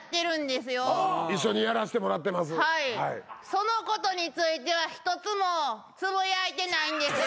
そのことについては一つもつぶやいてないんです。